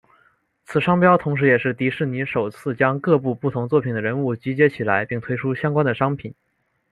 此商标同时也是迪士尼首次将各部不同作品的人物集结起来并推出相关的商品。